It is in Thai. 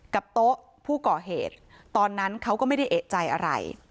โต๊ะผู้ก่อเหตุตอนนั้นเขาก็ไม่ได้เอกใจอะไร